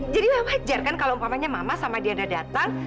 jadi wajar kan kalau umpamanya mama sama diandra datang